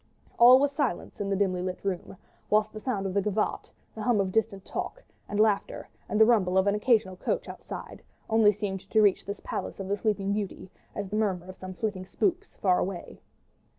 All was silence in the dimly lighted room, whilst the sound of the gavotte, the hum of distant talk and laughter, and the rumble of an occasional coach outside, only seemed to reach this palace of the Sleeping Beauty as the murmur of some flitting spooks far away.